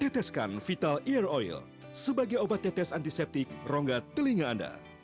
teteskan vital ear oil sebagai obat tetes antiseptik rongga telinga anda